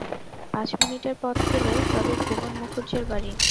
পাঁচ মিনিটের পথ গেলে তবে ভুবন মুখুজ্যের বাড়ি।